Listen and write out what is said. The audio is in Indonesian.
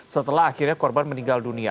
setelah akhirnya korban meninggal dunia